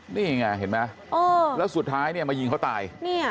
นี่ไงเห็นไหมแล้วสุดท้ายเนี่ยมายิงเขาตาย